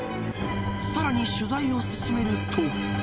さらに取材を進めると。